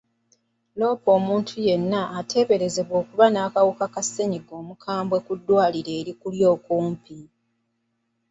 Loopa omuntu yenna ateberezebwa okuba n'akawuka ka ssenyiga omukambwe ku ddwaliro eri kuli okumpi.